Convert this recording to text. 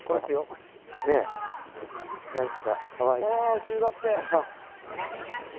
あぁ中学生。